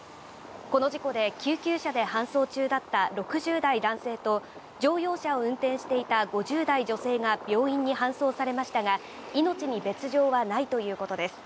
この事故で救急車で搬送中だった６０代男性と、乗用車を運転していた５０代女性が病院に搬送されましたが、命に別状はないということです。